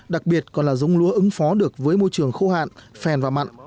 đặc biệt còn là giống lúa ứng phó được với môi trường khô hạn phèn và mặn